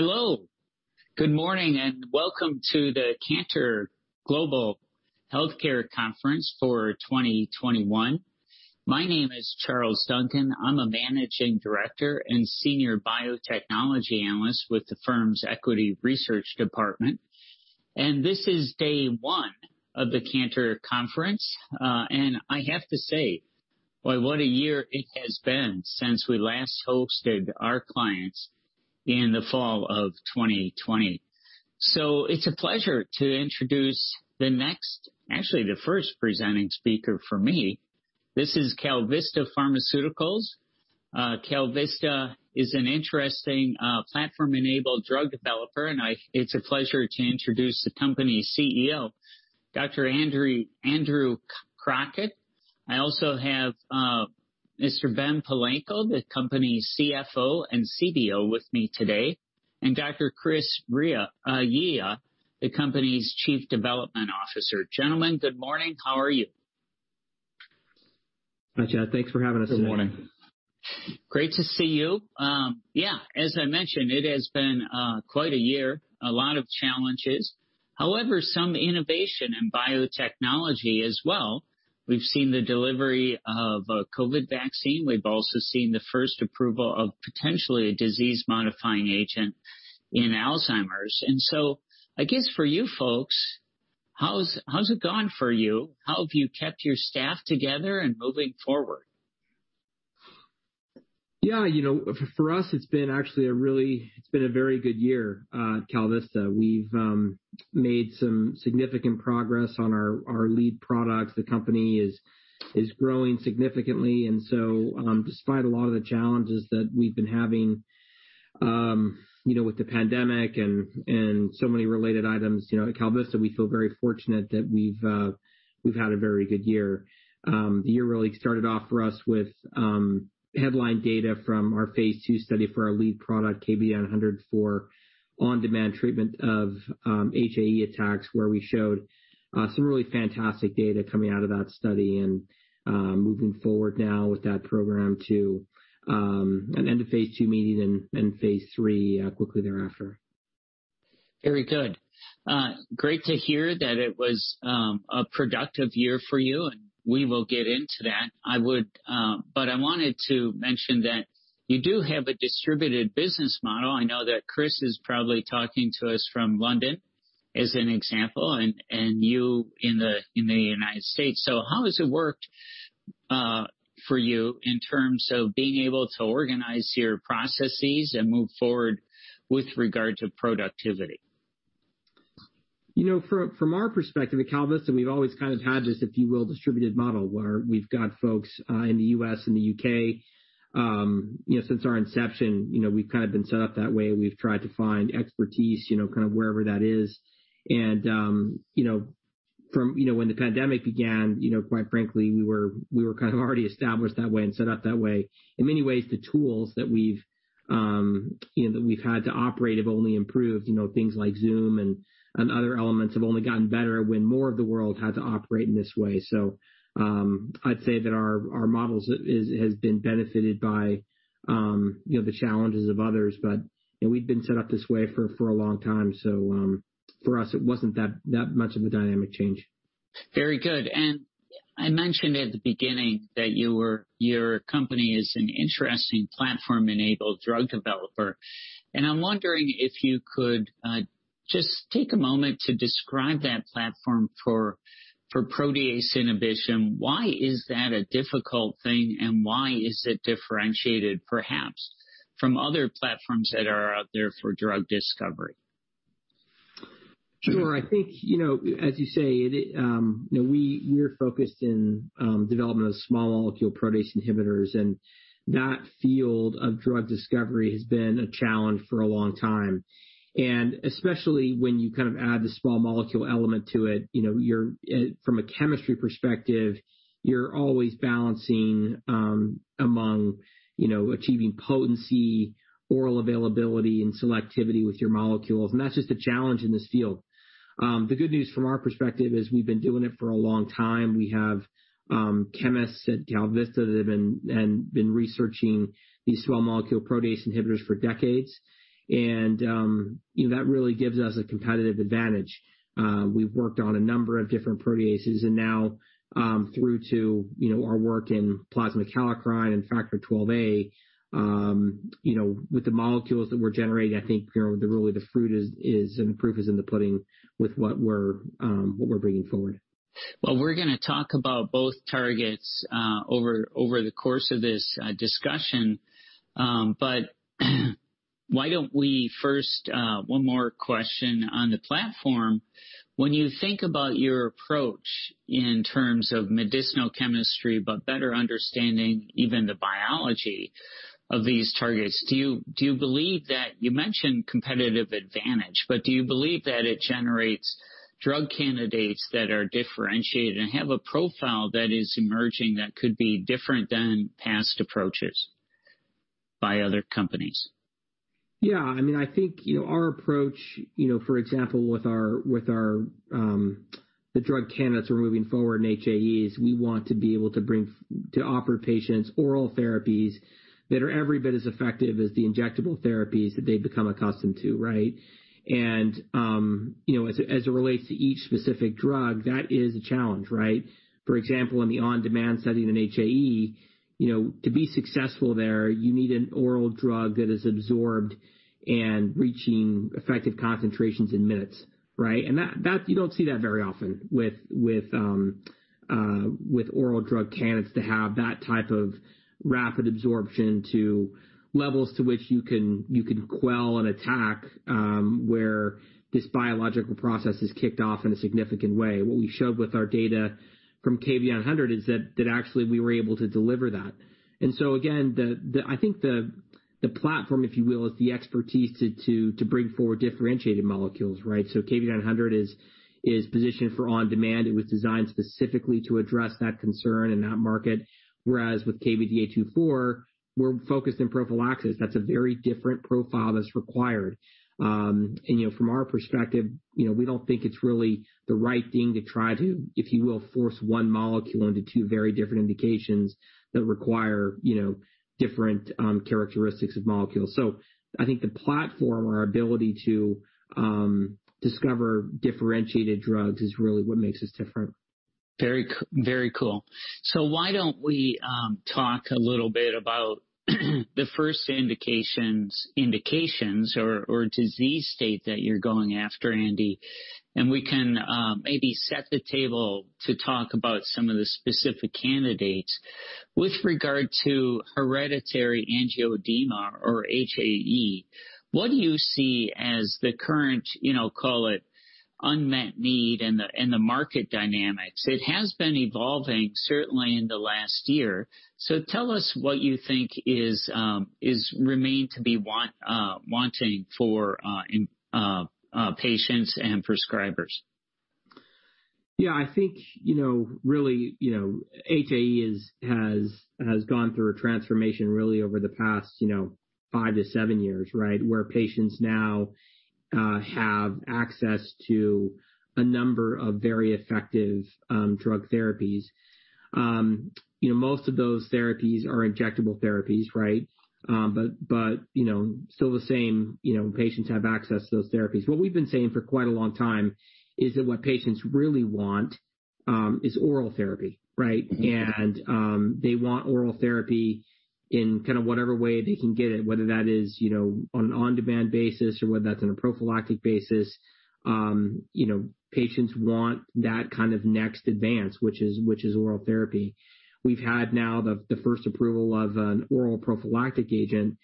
Hello. Good morning, and welcome to the Cantor Global Healthcare Conference for 2021. My name is Charles Duncan. I'm a managing director and senior biotechnology analyst with the firm's equity research department. This is day one of the Cantor conference. I have to say, boy, what a year it has been since we last hosted our clients in the fall of 2020. It's a pleasure to introduce the next, actually the first presenting speaker for me. This is KalVista Pharmaceuticals. KalVista is an interesting platform-enabled drug developer, and it's a pleasure to introduce the company's CEO, Dr. Andrew Crockett. I also have Mr. Benjamin L. Palleiko, the company's CFO and CDO with me today, and Dr. Christopher M. Yea, the company's Chief Development Officer. Gentlemen, good morning. How are you? Hi, Chad. Thanks for having us today. Good morning. Great to see you. Yeah, as I mentioned, it has been quite a year. A lot of challenges. However, some innovation in biotechnology as well. We've seen the delivery of a COVID vaccine. We've also seen the first approval of potentially a disease-modifying agent in Alzheimer's. I guess for you folks, how's it going for you? How have you kept your staff together and moving forward? Yeah, for us, it's been a very good year at KalVista. We've made some significant progress on our lead products. The company is growing significantly. Despite a lot of the challenges that we've been having with the pandemic and so many related items, at KalVista, we feel very fortunate that we've had a very good year. The year really started off for us with headline data from our phase II study for our lead product, KV-1004, on-demand treatment of HAE attacks, where we showed some really fantastic data coming out of that study and moving forward now with that program to an end of phase II meeting and phase III quickly thereafter. Very good. Great to hear that it was a productive year for you. We will get into that. I wanted to mention that you do have a distributed business model. I know that Chris is probably talking to us from London, as an example, and you in the U.S. How has it worked for you in terms of being able to organize your processes and move forward with regard to productivity? From our perspective at KalVista, we've always kind of had this, if you will, distributed model, where we've got folks in the U.S. and the U.K. Since our inception, we've kind of been set up that way. We've tried to find expertise wherever that is. When the pandemic began, quite frankly, we were kind of already established that way and set up that way. In many ways, the tools that we've had to operate have only improved. Things like Zoom and other elements have only gotten better when more of the world had to operate in this way. I'd say that our models has been benefited by the challenges of others. We've been set up this way for a long time, for us, it wasn't that much of a dynamic change. Very good. I mentioned at the beginning that your company is an interesting platform-enabled drug developer. I'm wondering if you could just take a moment to describe that platform for protease inhibition. Why is that a difficult thing, and why is it differentiated, perhaps, from other platforms that are out there for drug discovery? Sure. I think, as you say, we're focused in development of small molecule protease inhibitors, that field of drug discovery has been a challenge for a long time. Especially when you kind of add the small molecule element to it, from a chemistry perspective, you're always balancing among achieving potency, oral bioavailability, and selectivity with your molecules. That's just a challenge in this field. The good news from our perspective is we've been doing it for a long time. We have chemists at KalVista that have been researching these small molecule protease inhibitors for decades, and that really gives us a competitive advantage. We've worked on a number of different proteases and now through to our work in plasma kallikrein and factor XIIa. With the molecules that we're generating, I think really the fruit is, and the proof is in the pudding with what we're bringing forward. Well, we're going to talk about both targets over the course of this discussion. One more question on the platform? When you think about your approach in terms of medicinal chemistry, but better understanding even the biology of these targets, You mentioned competitive advantage, do you believe that it generates drug candidates that are differentiated and have a profile that is emerging that could be different than past approaches by other companies? Yeah. I think our approach, for example, with the drug candidates we're moving forward in HAE is we want to be able to offer patients oral therapies that are every bit as effective as the injectable therapies that they've become accustomed to, right? As it relates to each specific drug, that is a challenge, right? For example, in the on-demand setting in HAE, to be successful there, you need an oral drug that is absorbed and reaching effective concentrations in minutes. Right? You don't see that very often with oral drug candidates to have that type of rapid absorption to levels to which you can quell an attack where this biological process is kicked off in a significant way. What we showed with our data from KVD900 is that actually we were able to deliver that. Again, I think the platform, if you will, is the expertise to bring forward differentiated molecules, right? KVD900 is positioned for on-demand. It was designed specifically to address that concern and that market, whereas with KVD824, we're focused on prophylaxis. That's a very different profile that's required. From our perspective, we don't think it's really the right thing to try to, if you will, force one molecule into two very different indications that require different characteristics of molecules. I think the platform, our ability to discover differentiated drugs is really what makes us different. Very cool. Why don't we talk a little bit about the first indications or disease state that you're going after, Andrew Crockett, and we can maybe set the table to talk about some of the specific candidates. With regard to hereditary angioedema or HAE, what do you see as the current, call it unmet need and the market dynamics? It has been evolving, certainly in the last year. Tell us what you think remains to be wanting for patients and prescribers. Yeah, I think, really HAE has gone through a transformation really over the past five to seven years, right? Where patients now have access to a number of very effective drug therapies. Most of those therapies are injectable therapies, right? Still the same, patients have access to those therapies. What we've been saying for quite a long time is that what patients really want is oral therapy, right? They want oral therapy in kind of whatever way they can get it, whether that is on an on-demand basis or whether that's on a prophylactic basis. Patients want that kind of next advance, which is oral therapy. We've had now the first approval of an oral prophylactic agent.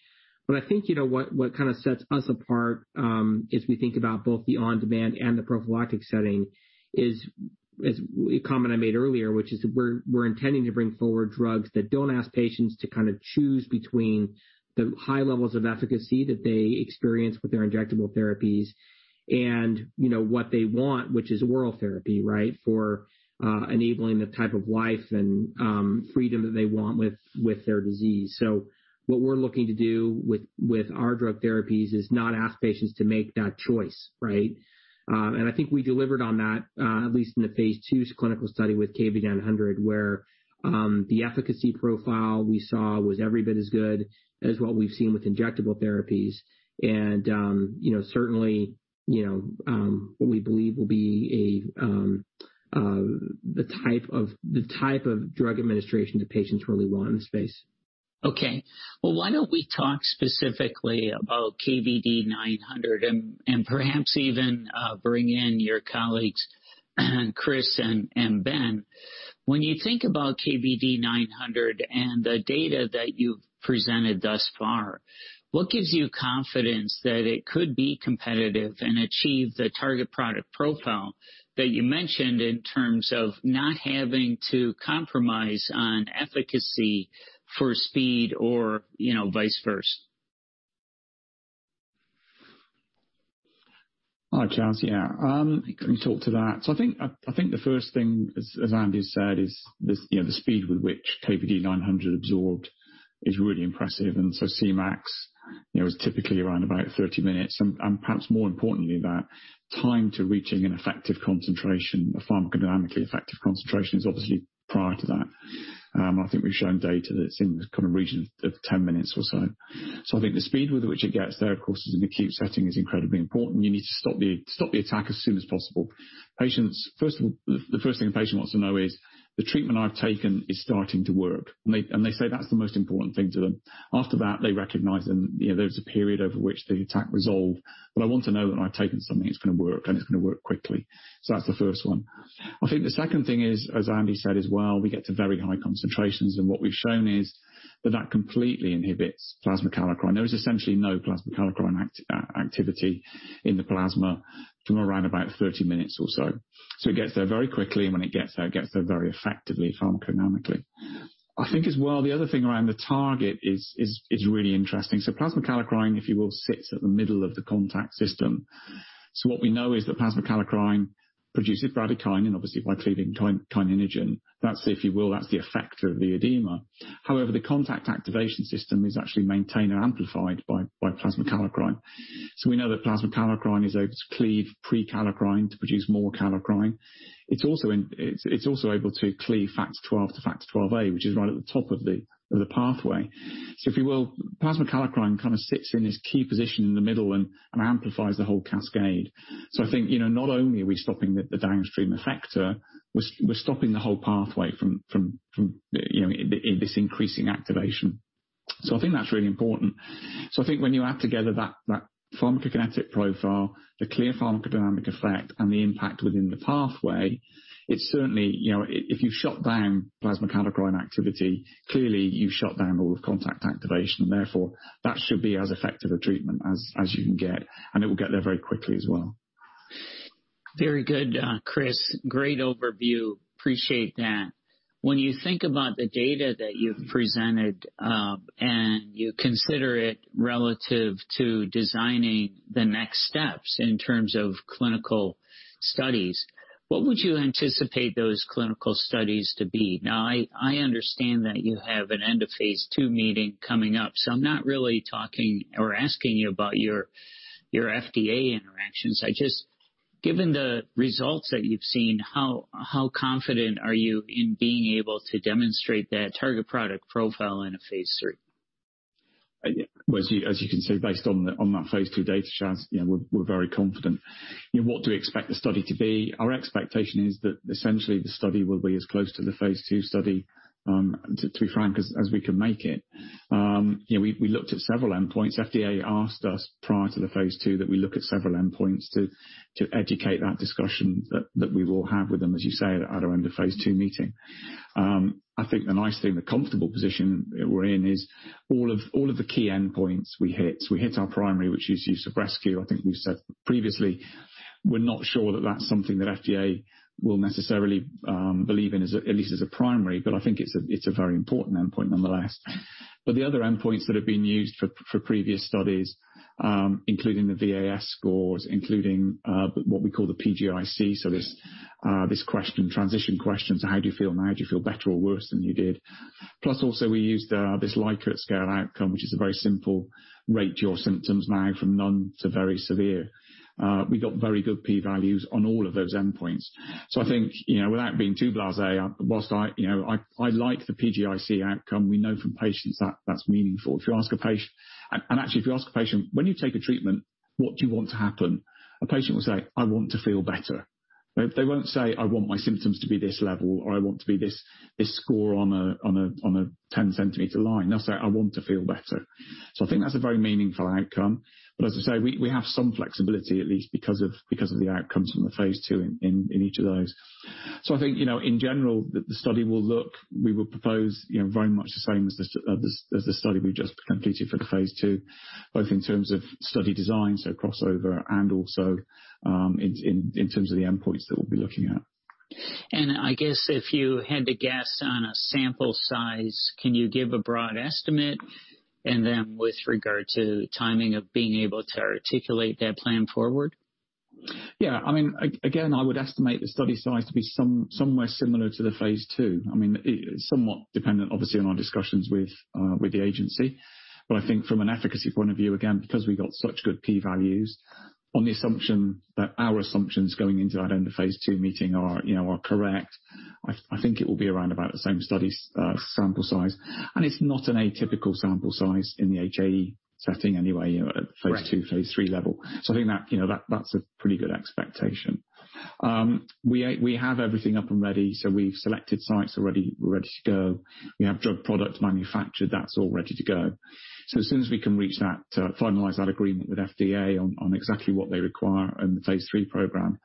I think what kind of sets us apart, as we think about both the on-demand and the prophylactic setting is, a comment I made earlier, which is we're intending to bring forward drugs that don't ask patients to kind of choose between the high levels of efficacy that they experience with their injectable therapies and what they want, which is oral therapy, right? For enabling the type of life and freedom that they want with their disease. What we're looking to do with our drug therapies is not ask patients to make that choice, right? I think we delivered on that, at least in the phase II clinical study with KVD900, where the efficacy profile we saw was every bit as good as what we've seen with injectable therapies. Certainly what we believe will be the type of drug administration that patients really want in the space. Okay. Well, why don't we talk specifically about sebetralstat and perhaps even bring in your colleagues, Chris and Ben. When you think about sebetralstat and the data that you've presented thus far, what gives you confidence that it could be competitive and achieve the target product profile that you mentioned in terms of not having to compromise on efficacy for speed or vice versa? Hi, Charles. Yeah. Let me talk to that. I think the first thing, as Andrew said, is the speed with which sebetralstat absorbed is really impressive. Cmax is typically around about 30 minutes. Perhaps more importantly, that time to reaching an effective concentration, a pharmacodynamically effective concentration, is obviously prior to that. I think we've shown data that's in the region of 10 minutes or so. I think the speed with which it gets there, of course, as an acute setting is incredibly important. You need to stop the attack as soon as possible. The first thing a patient wants to know is the treatment I've taken is starting to work. They say that's the most important thing to them. They recognize there's a period over which the attack resolved, but I want to know that I've taken something that's going to work, and it's going to work quickly. That's the first one. I think the second thing is, as Andy said as well, we get to very high concentrations, and what we've shown is that that completely inhibits plasma kallikrein. There is essentially no plasma kallikrein activity in the plasma from around about 30 minutes or so. It gets there very quickly, and when it gets there, it gets there very effectively pharmacodynamically. I think as well, the other thing around the target is really interesting. Plasma kallikrein, if you will, sits at the middle of the contact system. What we know is that plasma kallikrein produces bradykinin, obviously by cleaving kininogen. That's, if you will, that's the effector of the edema. The contact activation system is actually maintained and amplified by plasma kallikrein. We know that plasma kallikrein is able to cleave prekallikrein to produce more kallikrein. It's also able to cleave Factor XII to factor XIIa, which is right at the top of the pathway. If you will, plasma kallikrein kind of sits in this key position in the middle and amplifies the whole cascade. I think, not only are we stopping the downstream effector, we're stopping the whole pathway from this increasing activation. I think that's really important. I think when you add together that pharmacokinetic profile, the clear pharmacodynamic effect, and the impact within the pathway, it's certainly, if you've shut down plasma kallikrein activity, clearly you've shut down all the contact activation, and therefore that should be as effective a treatment as you can get, and it will get there very quickly as well. Very good, Chris. Great overview. Appreciate that. When you think about the data that you've presented, and you consider it relative to designing the next steps in terms of clinical studies, what would you anticipate those clinical studies to be? I understand that you have an end of phase II meeting coming up, so I'm not really talking or asking you about your FDA interactions. Given the results that you've seen, how confident are you in being able to demonstrate that target product profile in a phase III? As you can see, based on that phase II data, Charles, we're very confident. What do we expect the study to be? Our expectation is that essentially the study will be as close to the phase II study, to be frank, as we can make it. We looked at several endpoints. FDA asked us prior to the phase II that we look at several endpoints to educate that discussion that we will have with them, as you say, at our end of phase II meeting. I think the nice thing, the comfortable position we're in, is all of the key endpoints we hit. We hit our primary, which is use of rescue. I think we've said previously, we're not sure that that's something that FDA will necessarily believe in, at least as a primary, but I think it's a very important endpoint nonetheless. The other endpoints that have been used for previous studies, including the VAS scores, including what we call the PGIC, this question, transition question. How do you feel now? Do you feel better or worse than you did? Also, we used this Likert scale outcome, which is a very simple rate your symptoms now from none to very severe. We got very good P values on all of those endpoints. I think, without being too blasé, whilst I like the PGIC outcome, we know from patients that that's meaningful. Actually if you ask a patient, "When you take a treatment, what do you want to happen?" A patient will say, "I want to feel better." They won't say, "I want my symptoms to be this level," or, "I want to be this score on a 10-centimeter line." They'll say, "I want to feel better." I think that's a very meaningful outcome. As I say, we have some flexibility, at least because of the outcomes from the phase II in each of those. I think, in general, the study will look, we would propose very much the same as the study we just completed for the phase II, both in terms of study design, crossover, and also in terms of the endpoints that we'll be looking at. I guess if you had to guess on a sample size, can you give a broad estimate? With regard to timing of being able to articulate that plan forward? Again, I would estimate the study size to be somewhere similar to the phase II. Somewhat dependent, obviously, on our discussions with the agency. I think from an efficacy point of view, again, because we got such good P values, on the assumption that our assumptions going into that end of phase II meeting are correct. I think it will be around about the same study sample size. It's not an atypical sample size in the HAE setting anyway. Right at phase II, phase III level. I think that's a pretty good expectation. We have everything up and ready. We've selected sites already. We're ready to go. We have drug product manufactured. That's all ready to go. As soon as we can reach that, finalize that agreement with FDA on exactly what they require in the phase III program,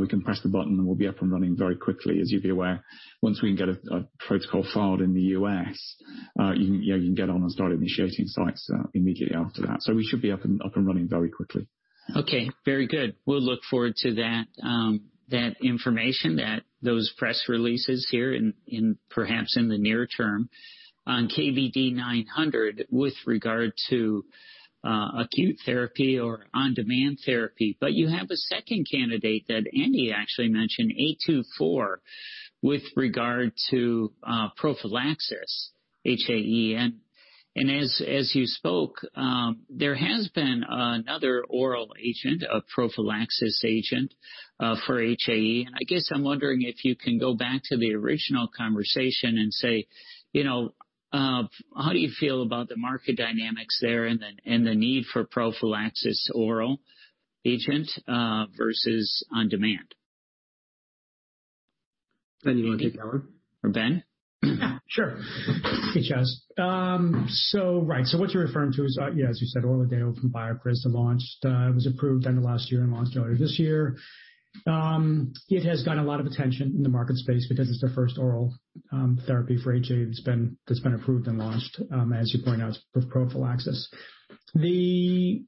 we can press the button, and we'll be up and running very quickly. As you'll be aware, once we can get a protocol filed in the U.S., you can get on and start initiating sites immediately after that. We should be up and running very quickly. Okay. Very good. We'll look forward to that information, that those press releases here in perhaps in the near term on sebetralstat with regard to acute therapy or on-demand therapy. You have a second candidate that Andy actually mentioned, KVD824, with regard to prophylaxis HAE. As you spoke, there has been another oral agent, a prophylaxis agent, for HAE. I guess I'm wondering if you can go back to the original conversation and say, how do you feel about the market dynamics there and the need for prophylaxis oral agent versus on-demand? Ben, do you want to take that one? Ben? Sure. Hey, Charles. Right. What you're referring to is, as you said, ORLADEYO from BioMarin just have launched. It was approved end of last year and launched earlier this year. It has got a lot of attention in the market space because it's the first oral therapy for HAE that's been approved and launched, as you point out, with prophylaxis. Ostensibly,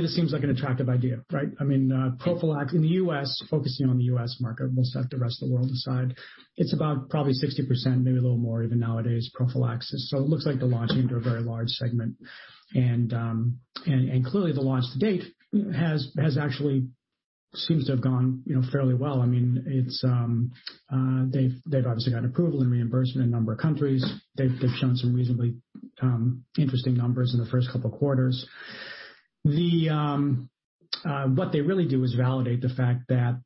this seems like an attractive idea, right? Prophylaxis in the U.S., focusing on the U.S. market, we'll set the rest of the world aside, it's about probably 60%, maybe a little more even nowadays, prophylaxis. It looks like they're launching into a very large segment. Clearly the launch to date has actually seems to have gone fairly well. They've obviously got approval and reimbursement in a number of countries. They've shown some reasonably interesting numbers in the first couple of quarters. What they really do is validate the fact that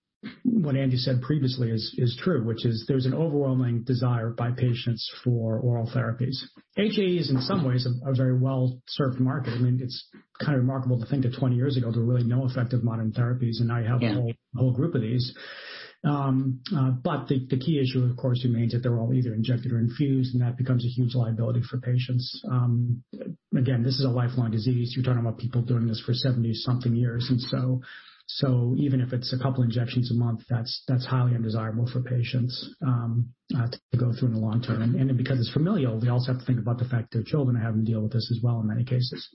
what Andrew Crockett said previously is true, which is there's an overwhelming desire by patients for oral therapies. HAE is, in some ways, a very well-served market. It's kind of remarkable to think that 20 years ago, there were really no effective modern therapies, and now you have. Yeah A whole group of these. The key issue, of course, remains that they're all either injected or infused, and that becomes a huge liability for patients. Again, this is a lifelong disease. You're talking about people doing this for 70 something years. Even if it's a couple injections a month, that's highly undesirable for patients to go through in the long term. Because it's familial, we also have to think about the fact their children are having to deal with this as well in many cases.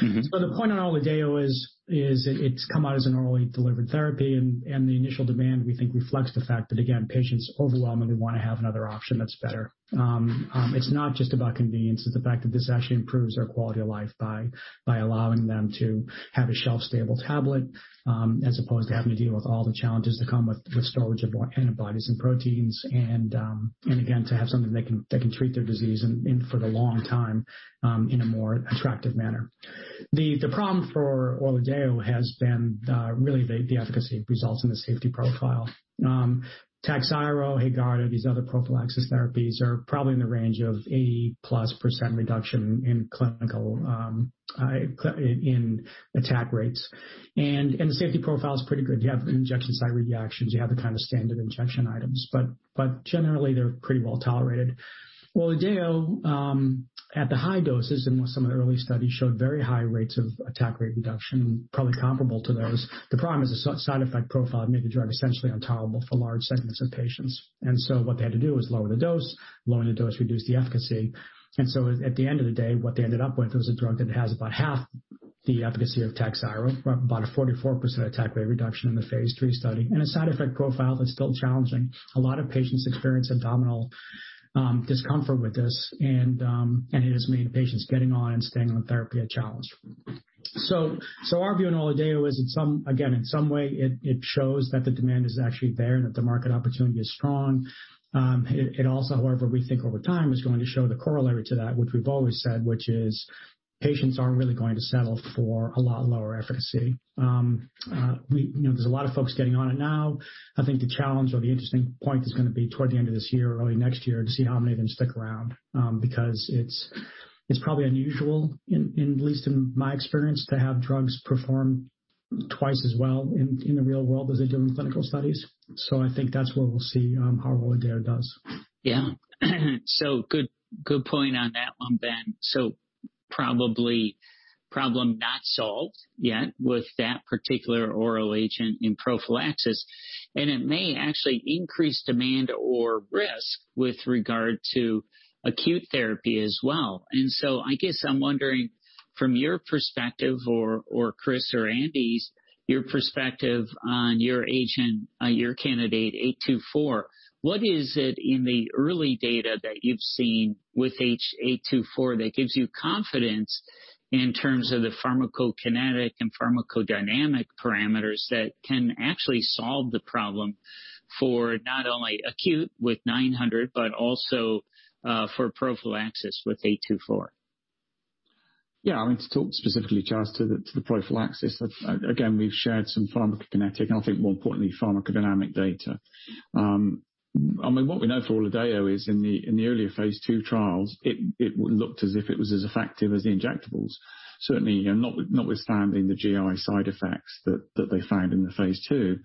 The point on ORLADEYO is it's come out as an orally delivered therapy, and the initial demand, we think, reflects the fact that, again, patients overwhelmingly want to have another option that's better. It's not just about convenience. It's the fact that this actually improves their quality of life by allowing them to have a shelf-stable tablet as opposed to having to deal with all the challenges that come with storage of antibodies and proteins, and again, to have something that can treat their disease for the long time in a more attractive manner. The problem for ORLADEYO has been really the efficacy results and the safety profile. TAKHZYRO, HAEGARDA, these other prophylaxis therapies are probably in the range of 80-plus % reduction in attack rates. The safety profile is pretty good. You have injection site reactions. You have the standard injection items. Generally, they're pretty well-tolerated. ORLADEYO, at the high doses, in some of the early studies, showed very high rates of attack rate reduction, probably comparable to those. The problem is the side effect profile made the drug essentially intolerable for large segments of patients. What they had to do was lower the dose. Lowering the dose reduced the efficacy. At the end of the day, what they ended up with was a drug that has about half the efficacy of TAKHZYRO, about a 44% attack rate reduction in the phase III study, and a side effect profile that's still challenging. A lot of patients experience abdominal discomfort with this, and it has made patients getting on and staying on therapy a challenge. Our view on ORLADEYO is, again, in some way, it shows that the demand is actually there and that the market opportunity is strong. It also, however, we think over time, is going to show the corollary to that, which we've always said, which is patients aren't really going to settle for a lot lower efficacy. There's a lot of folks getting on it now. I think the challenge or the interesting point is going to be toward the end of this year or early next year to see how many of them stick around. It's probably unusual, at least in my experience, to have drugs perform twice as well in the real world as they do in clinical studies. I think that's where we'll see how ORLADEYO does. Good point on that one, Ben. Probably problem not solved yet with that particular oral agent in prophylaxis, and it may actually increase demand or risk with regard to acute therapy as well. I guess I'm wondering from your perspective or Chris or Andy's, your perspective on your agent, your candidate KVD824, what is it in the early data that you've seen with KVD824 that gives you confidence in terms of the pharmacokinetic and pharmacodynamic parameters that can actually solve the problem for not only acute with KVD900, but also for prophylaxis with KVD824? Yeah. To talk specifically just to the prophylaxis, again, we've shared some pharmacokinetic, and I think more importantly, pharmacodynamic data. What we know for ORLADEYO is in the earlier phase II trials, it looked as if it was as effective as the injectables. Certainly, notwithstanding the GI side effects that they found in the phase II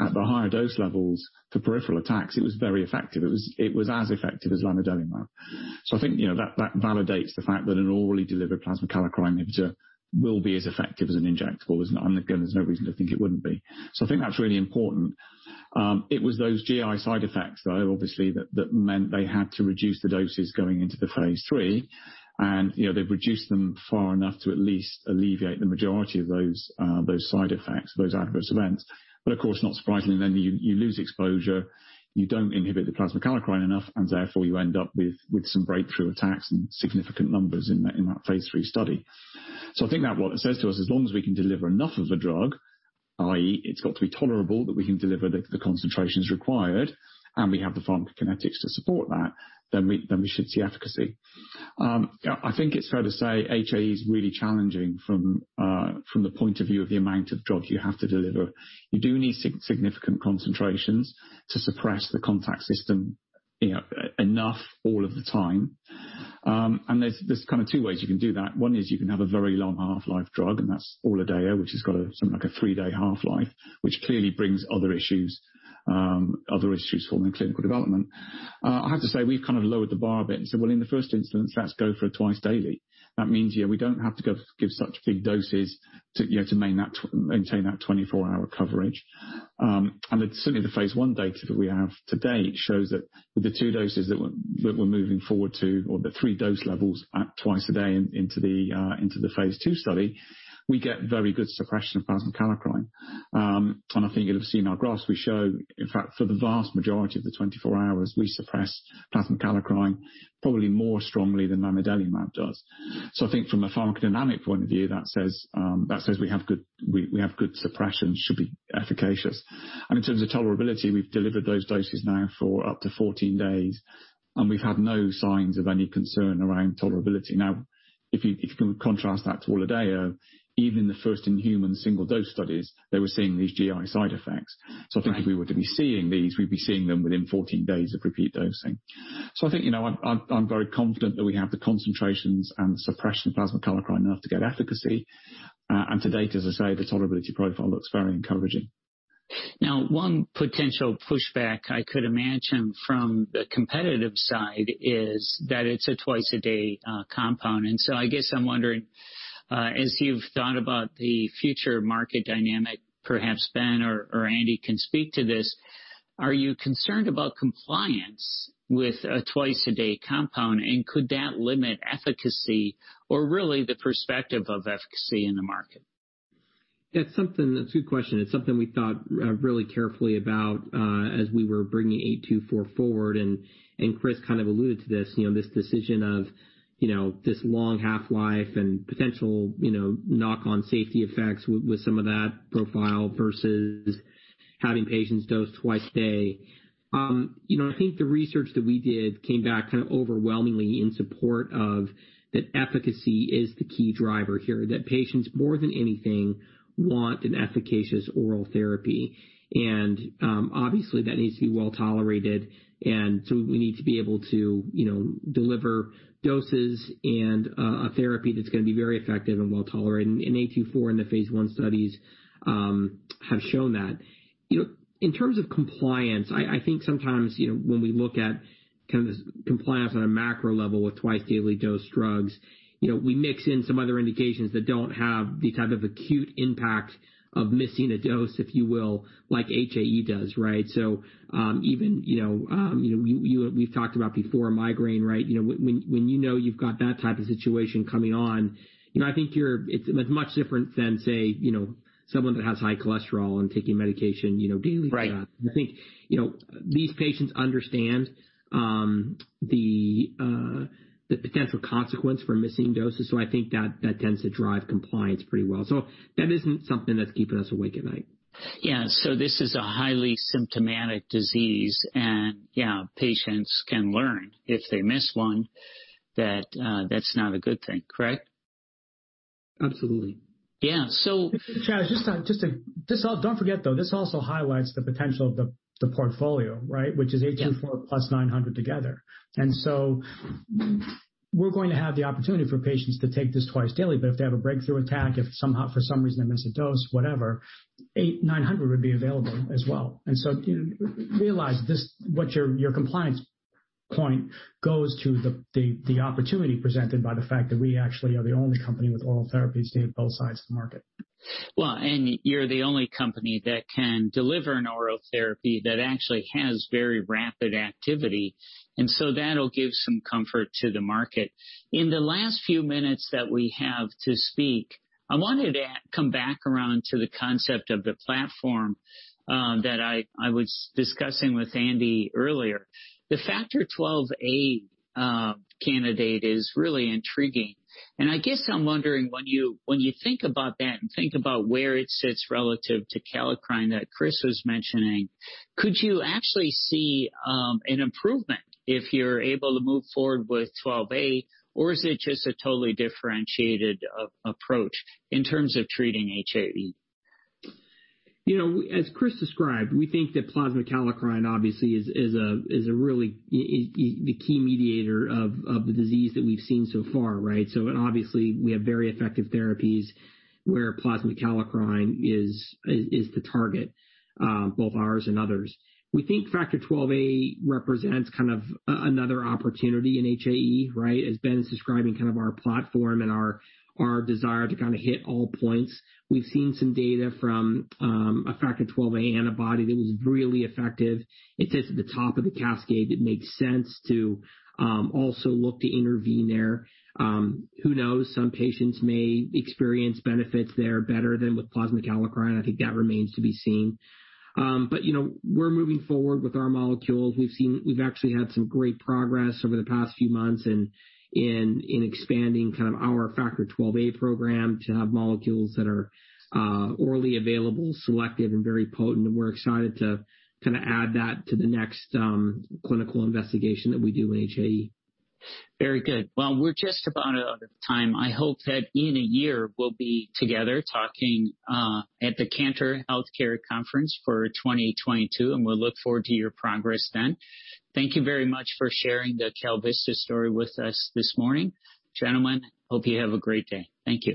at the higher dose levels for peripheral attacks, it was very effective. It was as effective as lanadelumab. I think that validates the fact that an orally delivered plasma kallikrein inhibitor will be as effective as an injectable. Again, there's no reason to think it wouldn't be. I think that's really important. It was those GI side effects, though, obviously, that meant they had to reduce the doses going into the phase III, and they've reduced them far enough to at least alleviate the majority of those side effects, those adverse events. Of course, not surprisingly, then you lose exposure, you don't inhibit the plasma kallikrein enough, and therefore, you end up with some breakthrough attacks and significant numbers in that phase III study. I think that what it says to us, as long as we can deliver enough of the drug, i.e., it's got to be tolerable that we can deliver the concentrations required, and we have the pharmacokinetics to support that, then we should see efficacy. I think it's fair to say HAE is really challenging from the point of view of the amount of drug you have to deliver. You do need significant concentrations to suppress the contact system enough all of the time. There's two ways you can do that. One is you can have a very long half-life drug, and that's ORLADEYO, which has got something like a 3-day half-life, which clearly brings other issues forward in clinical development. I have to say, we've lowered the bar a bit and said, "Well, in the first instance, let's go for a twice-daily." That means we don't have to give such big doses to maintain that 24-hour coverage. Certainly, the phase I data that we have to date shows that with the two doses that we're moving forward to or the three dose levels at twice a day into the phase II study, we get very good suppression of plasma kallikrein. I think you'll have seen our graphs. We show, in fact, for the vast majority of the 24 hours, we suppress plasma kallikrein probably more strongly than lanadelumab does. I think from a pharmacodynamic point of view, that says we have good suppression, should be efficacious. In terms of tolerability, we've delivered those doses now for up to 14 days, and we've had no signs of any concern around tolerability. If you contrast that to ORLADEYO, even the first-in-human single dose studies, they were seeing these GI side effects. Right. I think if we were to be seeing these, we'd be seeing them within 14 days of repeat dosing. I think I'm very confident that we have the concentrations and suppression of plasma kallikrein enough to get efficacy. To date, as I say, the tolerability profile looks very encouraging. Now, one potential pushback I could imagine from the competitive side is that it's a twice-a-day compound. I guess I'm wondering, as you've thought about the future market dynamic, perhaps Ben or Andy can speak to this, are you concerned about compliance with a twice-a-day compound? Could that limit efficacy or really the perspective of efficacy in the market? That's a good question. It's something we thought really carefully about as we were bringing A 204 forward. Chris kind of alluded to this decision of this long half-life and potential knock-on safety effects with some of that profile versus having patients dose twice a day. I think the research that we did came back overwhelmingly in support of that efficacy is the key driver here. That patients, more than anything, want an efficacious oral therapy. Obviously, that needs to be well-tolerated. We need to be able to deliver doses and a therapy that's going to be very effective and well-tolerated. A 204 in the phase I studies have shown that. In terms of compliance, I think sometimes when we look at this compliance on a macro level with twice-daily dose drugs, we mix in some other indications that don't have the type of acute impact of missing a dose, if you will, like HAE does. We've talked about before migraine. When you know you've got that type of situation coming on, I think it's much different than, say, someone that has high cholesterol and taking medication daily for that. Right. I think these patients understand the potential consequence for missing doses. I think that tends to drive compliance pretty well. That isn't something that's keeping us awake at night. Yeah. This is a highly symptomatic disease and, yeah, patients can learn if they miss one, that that's not a good thing. Correct? Absolutely. Yeah. Charles Duncan, don't forget, though, this also highlights the potential of the portfolio. Yeah. Which is KVD824 plus 900 together. We're going to have the opportunity for patients to take this twice-daily, but if they have a breakthrough attack, if somehow for some reason they miss a dose, whatever, 900 would be available as well. Realize your compliance point goes to the opportunity presented by the fact that we actually are the only company with oral therapies to hit both sides of the market. Well, you're the only company that can deliver an oral therapy that actually has very rapid activity, and so that will give some comfort to the market. In the last few minutes that we have to speak, I wanted to come back around to the concept of the platform that I was discussing with Andrew Crockett earlier. The factor XIIa candidate is really intriguing, and I guess I'm wondering, when you think about that and think about where it sits relative to kallikrein that Christopher M. Yea was mentioning, could you actually see an improvement if you're able to move forward with XIIa, or is it just a totally differentiated approach in terms of treating HAE? As Chris described, we think that plasma kallikrein obviously is the key mediator of the disease that we've seen so far. Obviously, we have very effective therapies where plasma kallikrein is the target, both ours and others. We think factor XIIa represents kind of another opportunity in HAE. As Ben's describing our platform and our desire to hit all points. We've seen some data from a factor XIIa antibody that was really effective. It sits at the top of the cascade. It makes sense to also look to intervene there. Who knows? Some patients may experience benefits there better than with plasma kallikrein. I think that remains to be seen. We're moving forward with our molecule. We've actually had some great progress over the past few months in expanding our factor XIIa program to have molecules that are orally available, selective, and very potent. We're excited to add that to the next clinical investigation that we do in HAE. Very good. Well, we're just about out of time. I hope that in a year we'll be together talking at the Cantor Healthcare Conference for 2022, and we'll look forward to your progress then. Thank you very much for sharing the KalVista story with us this morning. Gentlemen, hope you have a great day. Thank you.